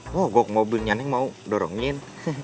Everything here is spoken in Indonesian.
wah gua ke mobilnya neng mau dorongin